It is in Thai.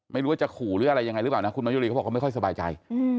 ไม่รู้ว่าจะขู่หรืออะไรยังไงหรือเปล่านะคุณมายุรีเขาบอกเขาไม่ค่อยสบายใจ